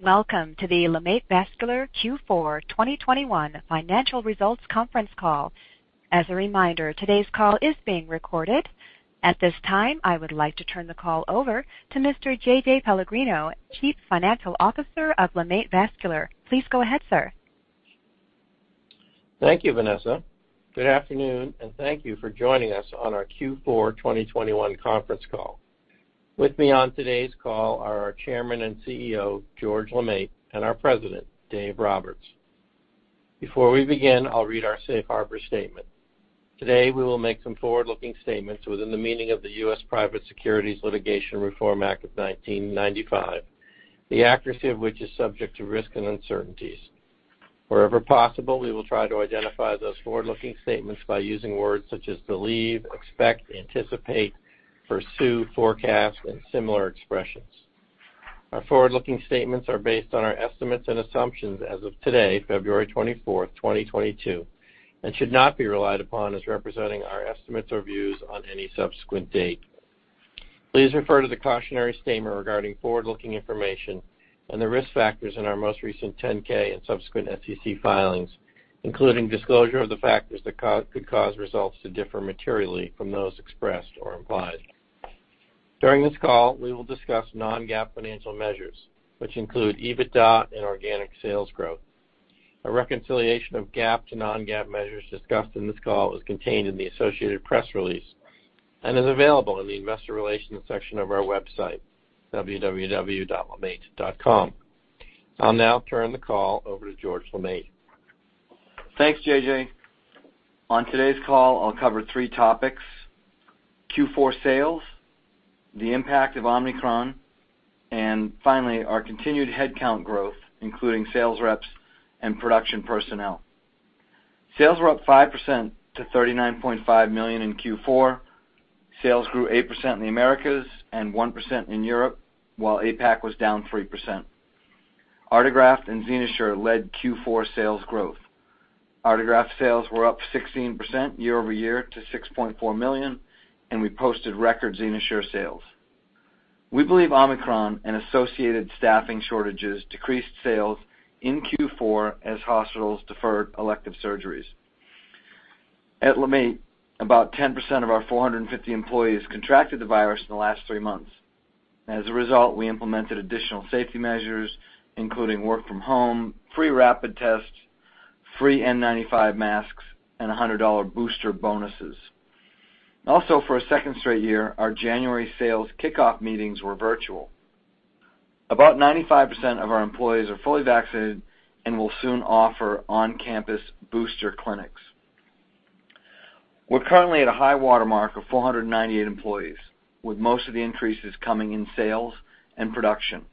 Welcome to the LeMaitre Vascular Q4 2021 Financial Results Conference Call. As a reminder, today's call is being recorded. At this time, I would like to turn the call over to Mr. J.J. Pellegrino, Chief Financial Officer of LeMaitre Vascular. Please go ahead, sir. Thank you, Vanessa. Good afternoon, and thank you for joining us on our Q4 2021 conference call. With me on today's call are our Chairman and CEO, George LeMaitre, and our President, Dave Roberts. Before we begin, I'll read our safe harbor statement. Today, we will make some forward-looking statements within the meaning of the U.S. Private Securities Litigation Reform Act of 1995, the accuracy of which is subject to risk and uncertainties. Wherever possible, we will try to identify those forward-looking statements by using words such as believe, expect, anticipate, pursue, forecast, and similar expressions. Our forward-looking statements are based on our estimates and assumptions as of today, February 24, 2022, and should not be relied upon as representing our estimates or views on any subsequent date. Please refer to the cautionary statement regarding forward-looking information and the risk factors in our most recent 10-K and subsequent SEC filings, including disclosure of the factors that could cause results to differ materially from those expressed or implied. During this call, we will discuss non-GAAP financial measures, which include EBITDA and organic sales growth. A reconciliation of GAAP to non-GAAP measures discussed in this call is contained in the associated press release and is available in the investor relations section of our website, www.lemaitre.com. I'll now turn the call over to George LeMaitre. Thanks, J.J. On today's call, I'll cover three topics, Q4 sales, the impact of Omicron, and finally, our continued headcount growth, including sales reps and production personnel. Sales were up 5% to $39.5 million in Q4. Sales grew 8% in the Americas and 1% in Europe, while APAC was down 3%. Artegraft and XenoSure led Q4 sales growth. Artegraft sales were up 16% year-over-year to $6.4 million, and we posted record XenoSure sales. We believe Omicron and associated staffing shortages decreased sales in Q4 as hospitals deferred elective surgeries. At LeMaitre, about 10% of our 450 employees contracted the virus in the last three months. As a result, we implemented additional safety measures, including work from home, free rapid tests, free N95 masks, and $100 booster bonuses. Also, for a second straight year, our January sales kickoff meetings were virtual. About 95% of our employees are fully vaccinated and will soon offer on-campus booster clinics. We're currently at a high watermark of 498 employees, with most of the increases coming in sales and production.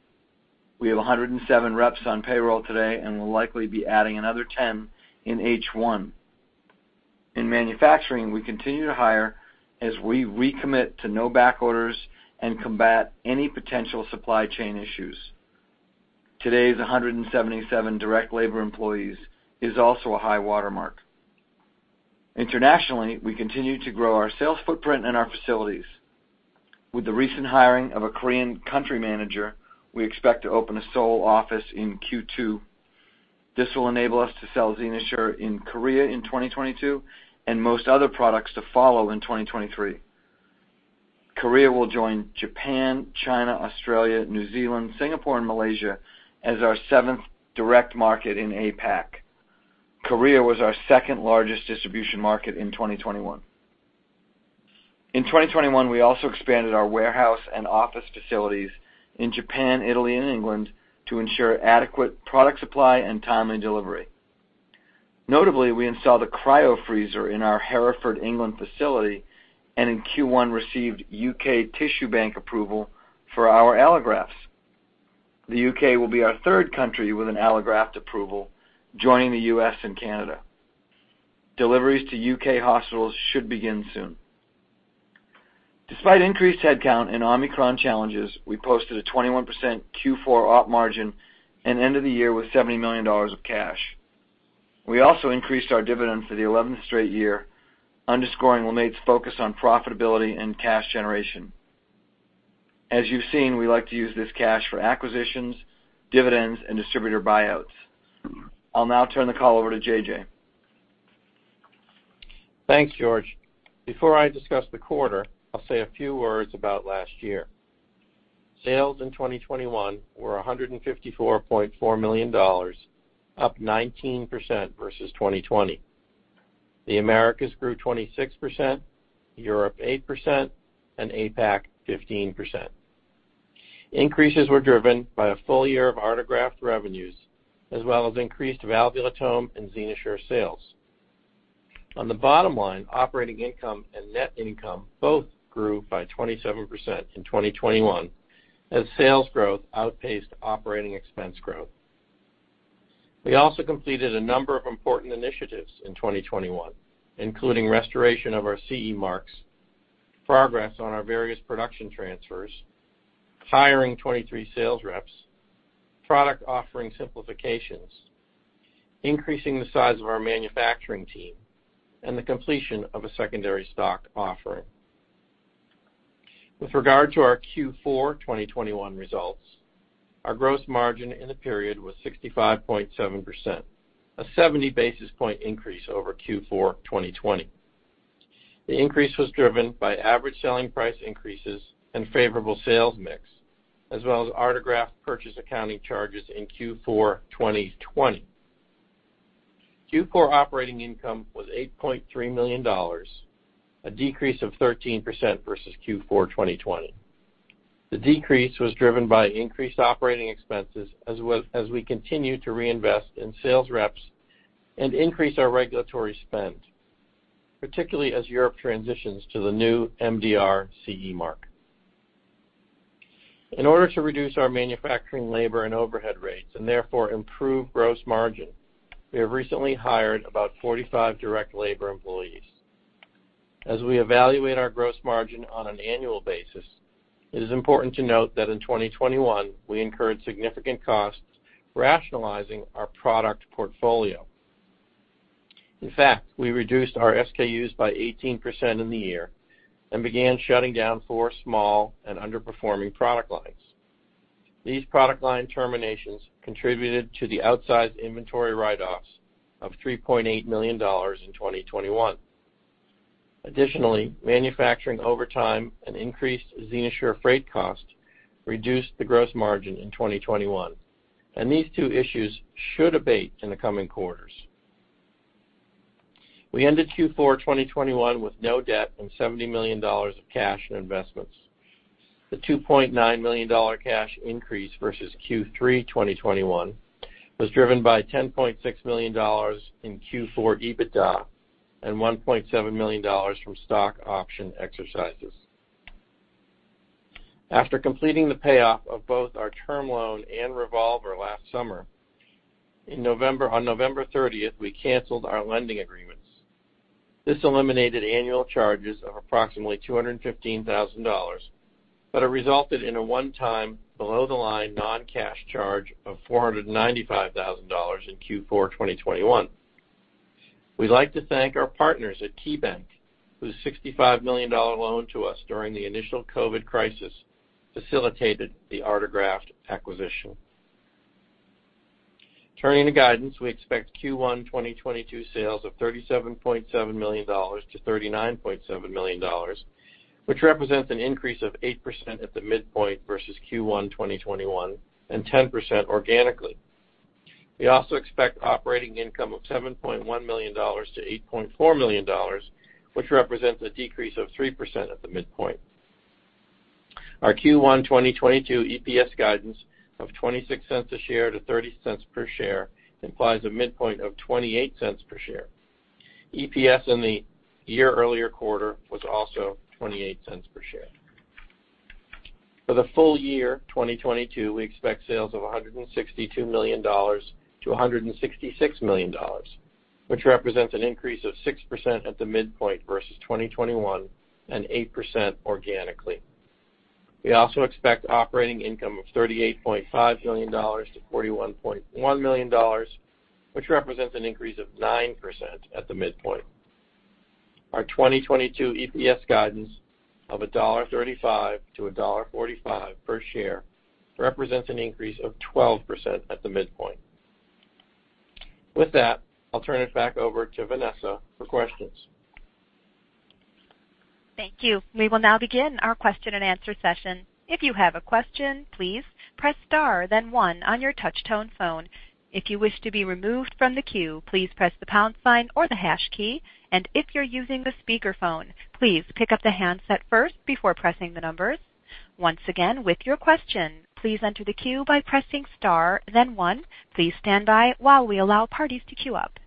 We have 107 reps on payroll today and will likely be adding another 10 in H1. In manufacturing, we continue to hire as we recommit to no back orders and combat any potential supply chain issues. Today's 177 direct labor employees is also a high watermark. Internationally, we continue to grow our sales footprint and our facilities. With the recent hiring of a Korean country manager, we expect to open a Seoul office in Q2. This will enable us to sell XenoSure in Korea in 2022, and most other products to follow in 2023. Korea will join Japan, China, Australia, New Zealand, Singapore, and Malaysia as our seventh direct market in APAC. Korea was our second-largest distribution market in 2021. In 2021, we also expanded our warehouse and office facilities in Japan, Italy, and England to ensure adequate product supply and timely delivery. Notably, we installed a cryo freezer in our Hereford, England facility, and in Q1, received U.K. tissue bank approval for our allografts. The U.K. will be our third country with an allograft approval, joining the U.S. and Canada. Deliveries to U.K. hospitals should begin soon. Despite increased headcount and Omicron challenges, we posted a 21% Q4 op margin and ended the year with $70 million of cash. We also increased our dividend for the eleventh straight year, underscoring LeMaitre's focus on profitability and cash generation. As you've seen, we like to use this cash for acquisitions, dividends, and distributor buyouts. I'll now turn the call over to J.J. Thanks, George. Before I discuss the quarter, I'll say a few words about last year. Sales in 2021 were $154.4 million, up 19% versus 2020. The Americas grew 26%, Europe 8%, and APAC 15%. Increases were driven by a full year of Artegraft revenues as well as increased valvulotomes and XenoSure sales. On the bottom line, operating income and net income both grew by 27% in 2021 as sales growth outpaced operating expense growth. We also completed a number of important initiatives in 2021, including restoration of our CE marks, progress on our various production transfers, hiring 23 sales reps, product offering simplifications, increasing the size of our manufacturing team, and the completion of a secondary stock offering. With regard to our Q4 2021 results, our gross margin in the period was 65.7%, a 70 basis point increase over Q4 2020. The increase was driven by average selling price increases and favorable sales mix, as well as Artegraft purchase accounting charges in Q4 2020. Q4 operating income was $8.3 million, a decrease of 13% versus Q4 2020. The decrease was driven by increased operating expenses as we continue to reinvest in sales reps and increase our regulatory spend, particularly as Europe transitions to the new MDR CE mark. In order to reduce our manufacturing labor and overhead rates and therefore improve gross margin, we have recently hired about 45 direct labor employees. As we evaluate our gross margin on an annual basis, it is important to note that in 2021, we incurred significant costs rationalizing our product portfolio. In fact, we reduced our SKUs by 18% in the year and began shutting down four small and underperforming product lines. These product line terminations contributed to the outsized inventory write-offs of $3.8 million in 2021. Additionally, manufacturing overtime and increased XenoSure freight costs reduced the gross margin in 2021, and these two issues should abate in the coming quarters. We ended Q4 2021 with no debt and $70 million of cash and investments. The $2.9 million cash increase versus Q3 2021 was driven by $10.6 million in Q4 EBITDA and $1.7 million from stock option exercises. After completing the payoff of both our term loan and revolver last summer, in November, on November 30, we canceled our lending agreements. This eliminated annual charges of approximately $215,000, but it resulted in a one-time, below-the-line, non-cash charge of $495,000 in Q4 2021. We'd like to thank our partners at KeyBank, whose $65 million loan to us during the initial COVID crisis facilitated the Artegraft acquisition. Turning to guidance, we expect Q1 2022 sales of $37.7 million-$39.7 million, which represents an increase of 8% at the midpoint versus Q1 2021 and 10% organically. We expect operating income of $7.1 million-$8.4 million, which represents a decrease of 3% at the midpoint. Our Q1 2022 EPS guidance of $0.26-$0.30 per share implies a midpoint of $0.28 per share. EPS in the year earlier quarter was also $0.28 per share. For the full year 2022, we expect sales of $162 million-$166 million, which represents an increase of 6% at the midpoint versus 2021 and 8% organically. We expect operating income of $38.5 million-$41.1 million, which represents an increase of 9% at the midpoint. Our 2022 EPS guidance of $1.35-$1.45 per share represents an increase of 12% at the midpoint. With that, I'll turn it back over to Vanessa for questions. Thank you. We will now begin our question-and-answer session. If you have a question, please press star then one on your touch-tone phone. If you wish to be removed from the queue, please press the pound sign or the hash key. If you're using the speakerphone, please pick up the handset first before pressing the numbers. Once again, with your question, please enter the queue by pressing star then one. Please stand by while we allow parties to queue up.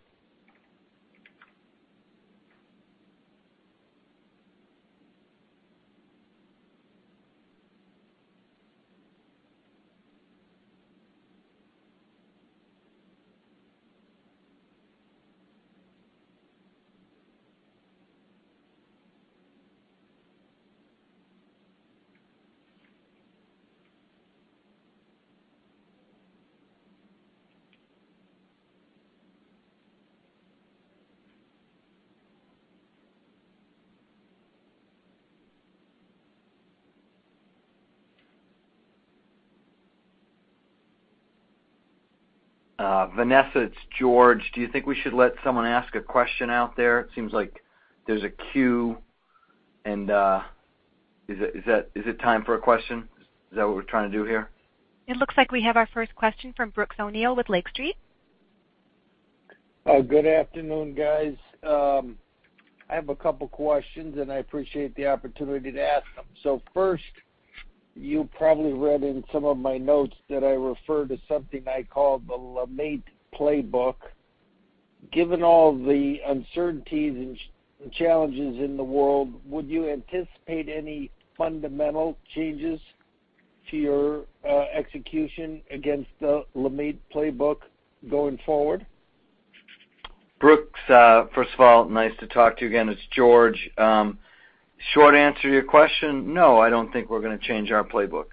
Vanessa, it's George. Do you think we should let someone ask a question out there? It seems like there's a queue, and is it time for a question? Is that what we're trying to do here? It looks like we have our first question from Brooks O'Neil with Lake Street. Good afternoon, guys. I have a couple questions, and I appreciate the opportunity to ask them. First, you probably read in some of my notes that I refer to something I call the LeMaitre playbook. Given all the uncertainties and challenges in the world, would you anticipate any fundamental changes to your execution against the LeMaitre playbook going forward? Brooks, first of all, nice to talk to you again. It's George. Short answer to your question, no, I don't think we're gonna change our playbook.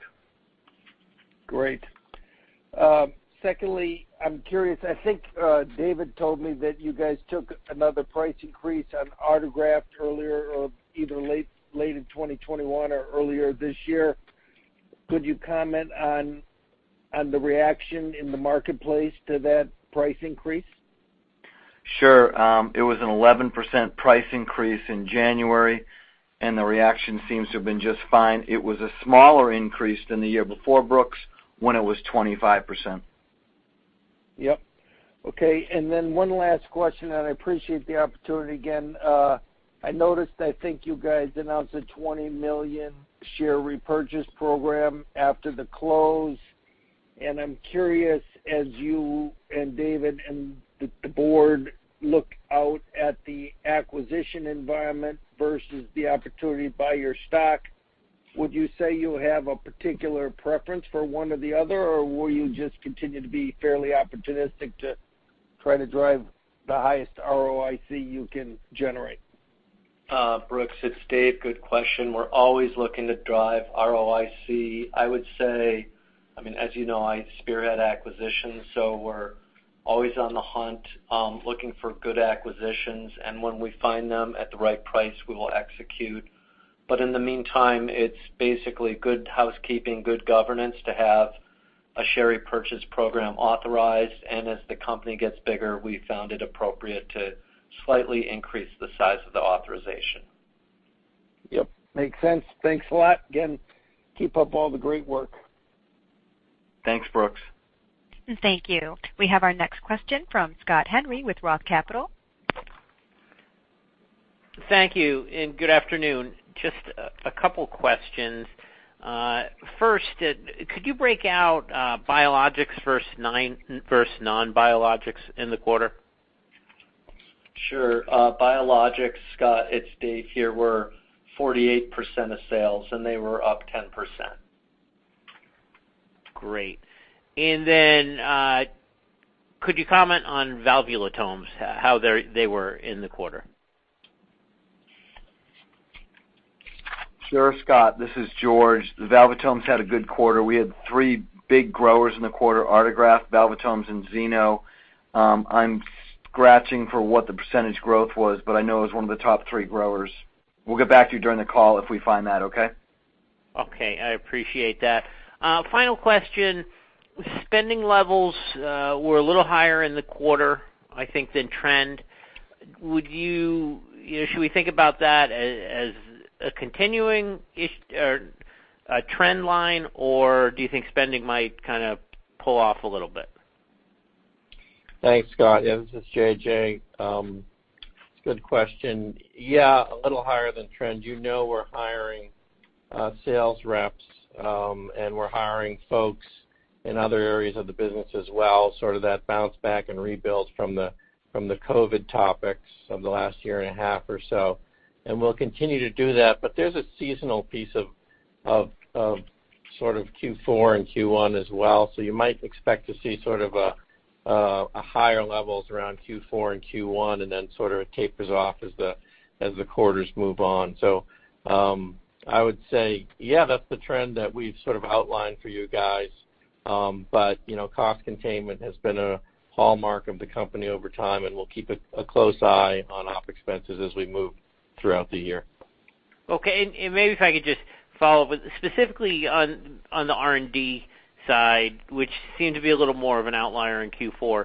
Great. Secondly, I'm curious. I think Dave told me that you guys took another price increase on Artegraft earlier, either late in 2021 or earlier this year. Could you comment on the reaction in the marketplace to that price increase? Sure. It was an 11% price increase in January, and the reaction seems to have been just fine. It was a smaller increase than the year before, Brooks, when it was 25%. Yep. Okay. Then one last question, and I appreciate the opportunity again. I noticed, I think you guys announced a 20 million share repurchase program after the close, and I'm curious, as you and Dave and the board look out at the acquisition environment versus the opportunity to buy your stock, would you say you have a particular preference for one or the other, or will you just continue to be fairly opportunistic to try to drive the highest ROIC you can generate? Brooks, it's Dave. Good question. We're always looking to drive ROIC. I would say, I mean, as you know, I spearhead acquisitions, so we're always on the hunt, looking for good acquisitions. When we find them at the right price, we will execute. In the meantime, it's basically good housekeeping, good governance to have a share repurchase program authorized. As the company gets bigger, we found it appropriate to slightly increase the size of the authorization. Yep. Makes sense. Thanks a lot. Again, keep up all the great work. Thanks, Brooks. Thank you. We have our next question from Scott Henry with ROTH Capital. Thank you, and good afternoon. Just a couple questions. First, could you break out biologics versus non-biologics in the quarter? Sure. Biologics, Scott, it's Dave here, were 48% of sales, and they were up 10%. Great. Could you comment on valvulotomes, how they were in the quarter? Sure, Scott, this is George. The valvulotomes had a good quarter. We had three big growers in the quarter, Artegraft, valvulotomes and XenoSure. I'm searching for what the percentage growth was, but I know it was one of the top three growers. We'll get back to you during the call if we find that, okay? Okay. I appreciate that. Final question. Spending levels were a little higher in the quarter, I think, than trend. Should we think about that as a continuing or a trend line, or do you think spending might kind of pull off a little bit? Thanks, Scott. This is J.J. Good question. Yeah, a little higher than trend. You know, we're hiring sales reps and we're hiring folks in other areas of the business as well, sort of that bounce back and rebuild from the COVID topics of the last year and a half or so. We'll continue to do that. There's a seasonal piece of Q4 and Q1 as well. You might expect to see sort of a higher levels around Q4 and Q1, and then sort of it tapers off as the quarters move on. I would say, yeah, that's the trend that we've sort of outlined for you guys. But you know, cost containment has been a hallmark of the company over time, and we'll keep a close eye on OpEx as we move throughout the year. Okay. Maybe if I could just follow up. Specifically on the R&D side, which seemed to be a little more of an outlier in Q4,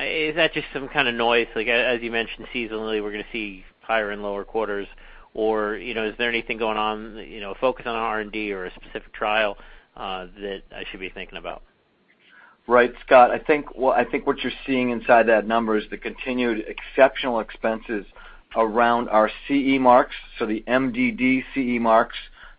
is that just some kind of noise? Like, as you mentioned, seasonally, we're gonna see higher and lower quarters, or, you know, is there anything going on, you know, focus on R&D or a specific trial, that I should be thinking about? Right, Scott. Well, I think what you're seeing inside that number is the continued exceptional expenses around our CE marks, so the MDD CE marks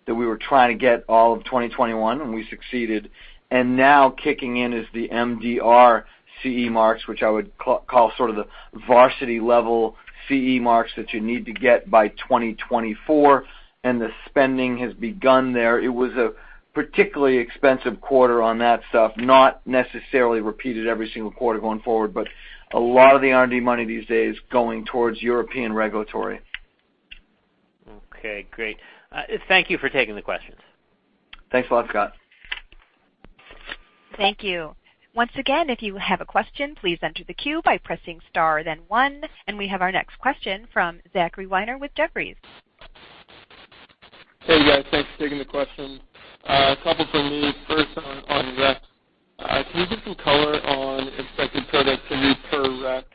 that we were trying to get all of 2021, and we succeeded. Now kicking in is the MDR CE marks, which I would call sort of the varsity level CE marks that you need to get by 2024, and the spending has begun there. It was a particularly expensive quarter on that stuff, not necessarily repeated every single quarter going forward, but a lot of the R&D money these days going towards European regulatory. Okay, great. Thank you for taking the questions. Thanks a lot, Scott. Thank you. Once again, if you have a question, please enter the queue by pressing star then one. We have our next question from Zachary Weiner with Jefferies. Hey, guys. Thanks for taking the question. A couple from me, first on reps. Can you give some color on expected productivity per rep,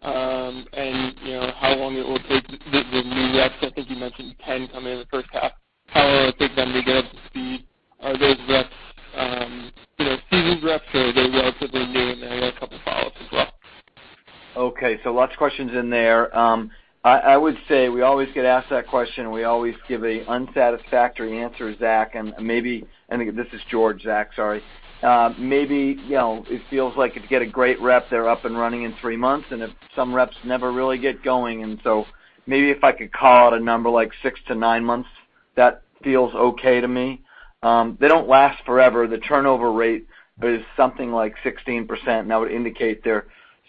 and, you know, how long it will take the new reps? I think you mentioned ten coming in the first half. How long will it take them to get up to speed? Are those reps, you know, seasoned reps, or are they relatively new? I got a couple follow-ups as well. Okay, lots of questions in there. I would say we always get asked that question. We always give a unsatisfactory answer, Zach. This is George, Zach, sorry. Maybe, you know, it feels like if you get a great rep, they're up and running in three months, and if some reps never really get going. Maybe if I could call out a number like 6-9 months, that feels okay to me. They don't last forever. The turnover rate is something like 16%, and that would indicate they're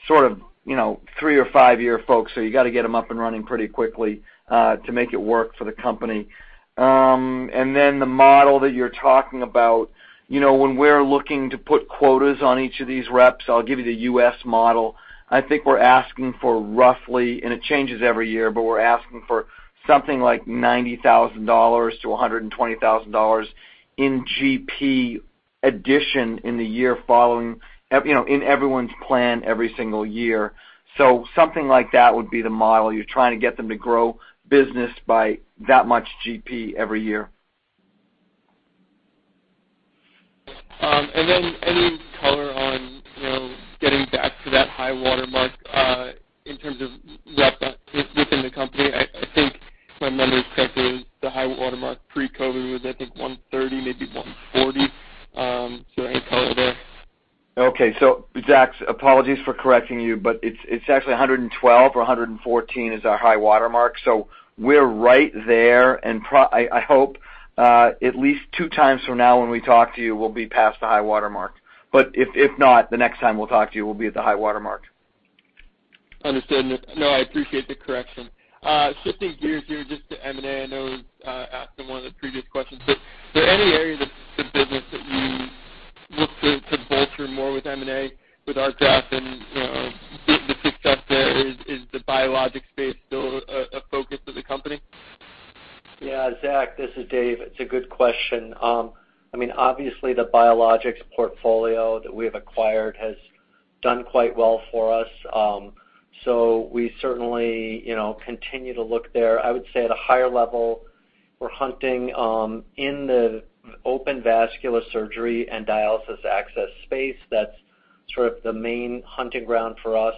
sort of, you know, three or five year folks, so you gotta get them up and running pretty quickly to make it work for the company. The model that you're talking about, you know, when we're looking to put quotas on each of these reps, I'll give you the U.S. model. I think we're asking for roughly, and it changes every year, but we're asking for something like $90,000-$120,000 in GP addition in the year following, you know, in everyone's plan every single year. Something like that would be the model. You're trying to get them to grow business by that much GP every year. Any color on, you know, getting back to that high watermark in terms of rep within the company. I think if my memory is correct is the high watermark pre-COVID was, I think, 130, maybe 140. Any color there? Okay. Zach, apologies for correcting you, but it's actually 112 or 114 is our high watermark. We're right there, and I hope at least 2x from now when we talk to you we'll be past the high watermark. If not, the next time we'll talk to you we'll be at the high watermark. Understood. No, I appreciate the correction. Shifting gears here just to M&A. I know it was asked in one of the previous questions. Are there any areas of the business that you look to bolster more with M&A, with Artegraft and the success there? Is the biologic space still a focus of the company? Yeah, Zach, this is Dave. It's a good question. I mean, obviously the biologics portfolio that we have acquired has done quite well for us. We certainly, you know, continue to look there. I would say at a higher level, we're hunting in the open vascular surgery and dialysis access space. That's sort of the main hunting ground for us.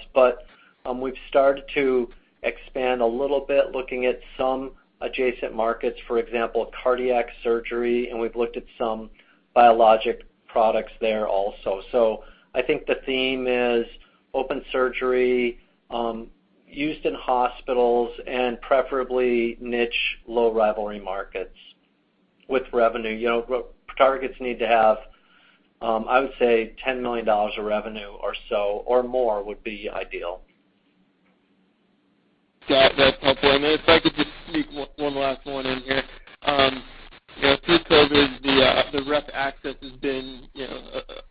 We've started to expand a little bit looking at some adjacent markets, for example, cardiac surgery, and we've looked at some biologic products there also. I think the theme is open surgery used in hospitals and preferably niche low rivalry markets with revenue. You know, targets need to have, I would say $10 million of revenue or so or more would be ideal. Got it, that's helpful. If I could just sneak one last one in here. You know, through COVID, the rep access has been, you know,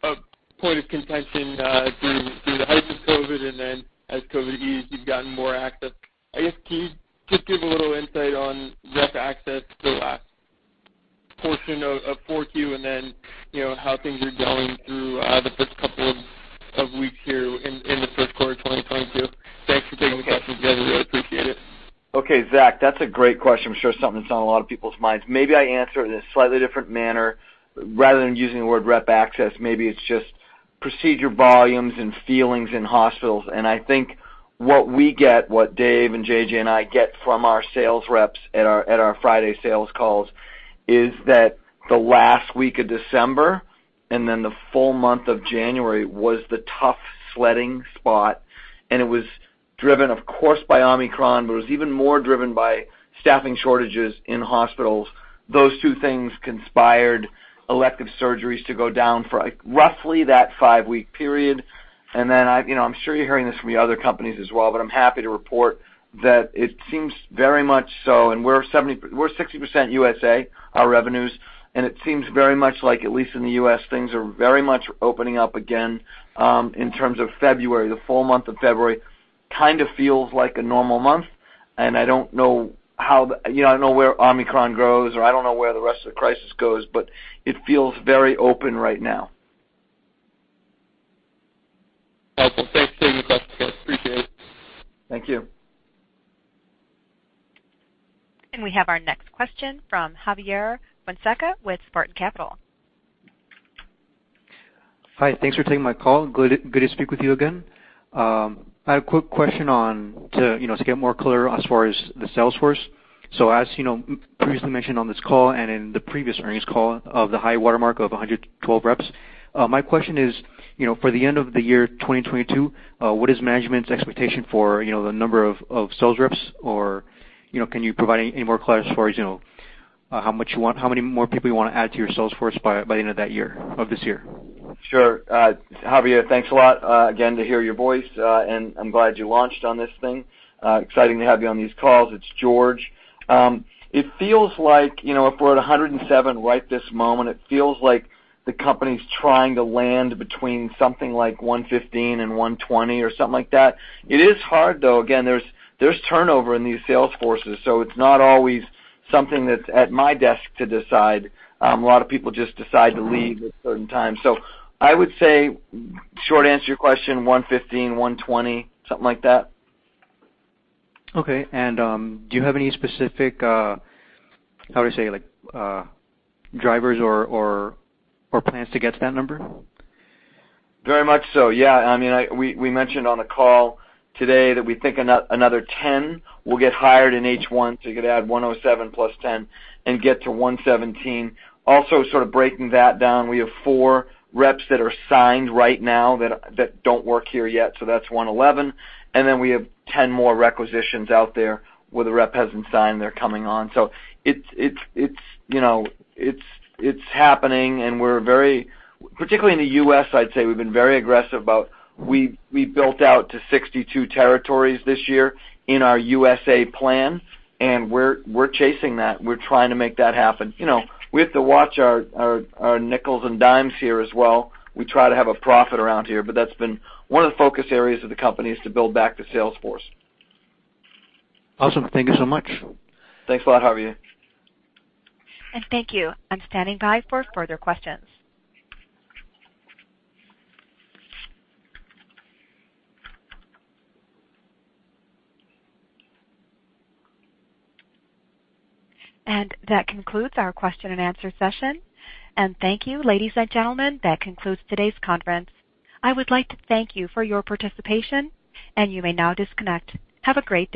a point of contention, through the heights of COVID, and then as COVID eased, you've gotten more access. I guess can you just give a little insight on rep access the last portion of Q4 and then, you know, how things are going through the first couple of weeks here in the first quarter of 2022? Thanks for taking the questions, guys. I really appreciate it. Okay, Zach, that's a great question. I'm sure something that's on a lot of people's minds. Maybe I answer it in a slightly different manner. Rather than using the word rep access, maybe it's just procedure volumes and feelings in hospitals. I think what we get, what Dave and JJ and I get from our sales reps at our Friday sales calls is that the last week of December and then the full month of January was the tough sledding spot, and it was driven, of course, by Omicron, but it was even more driven by staffing shortages in hospitals. Those two things conspired elective surgeries to go down for like roughly that five-week period. I, you know, I'm sure you're hearing this from the other companies as well, but I'm happy to report that it seems very much so and we're 60% U.S., our revenues, and it seems very much like at least in the U.S., things are very much opening up again, in terms of February. The full month of February kind of feels like a normal month. I don't know how the. You know, I don't know where Omicron goes, or I don't know where the rest of the crisis goes, but it feels very open right now. Awesome. Thanks for taking the question, George. Appreciate it. Thank you. We have our next question from Javier Fonseca with Spartan Capital. Hi. Thanks for taking my call. Good to speak with you again. I have a quick question, you know, to get more clarity as far as the sales force. As you know, previously mentioned on this call and in the previous earnings call of the high watermark of 112 reps, my question is, you know, for the end of the year 2022, what is management's expectation for, you know, the number of sales reps or, you know, can you provide any more clarity as far as, you know, how many more people you wanna add to your sales force by the end of that year, of this year? Sure. Javier, thanks a lot again to hear your voice, and I'm glad you launched on this thing. Exciting to have you on these calls. It's George. It feels like, you know, if we're at 107 right this moment, it feels like the company's trying to land between something like 115 and 120 or something like that. It is hard though. Again, there's turnover in these sales forces, so it's not always something that's at my desk to decide. A lot of people just decide to leave at certain times. I would say, short answer to your question, 115, 120, something like that. Okay. Do you have any specific how do I say it? Like, drivers or plans to get to that number? Very much so. Yeah. I mean, we mentioned on the call today that we think another 10 will get hired in H1, so you could add 107 + 10 and get to 117. Also sort of breaking that down, we have four reps that are signed right now that don't work here yet, so that's 111. Then we have 10 more requisitions out there where the rep hasn't signed. They're coming on. It's, you know, it's happening and we're very aggressive. Particularly in the U.S., I'd say, we've been very aggressive. We built out to 62 territories this year in our U.S. plan, and we're chasing that. We're trying to make that happen. You know, we have to watch our nickels and dimes here as well. We try to have a profit around here, but that's been one of the focus areas of the company is to build back the sales force. Awesome. Thank you so much. Thanks a lot, Javier. Thank you. I'm standing by for further questions. That concludes our question and answer session. Thank you, ladies and gentlemen, that concludes today's conference. I would like to thank you for your participation, and you may now disconnect. Have a great day.